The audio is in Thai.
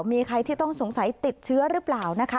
มีใครที่ต้องสงสัยติดเชื้อหรือเปล่านะคะ